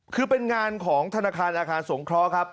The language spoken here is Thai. คือเป็นงานของธนาคารอาคารสงเคราะห์ครับ